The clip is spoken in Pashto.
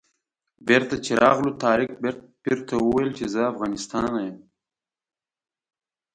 بېرته چې راغلو طارق پیر ته وویل چې زه له افغانستانه یم.